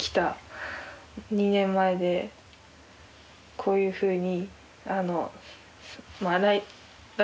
こういうふうに。